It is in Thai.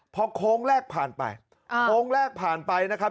พอโค้งแรกผ่านไปโค้งแรกผ่านไปนะครับ